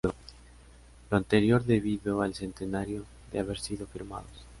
Lo anterior debido al centenario de haber sido firmados.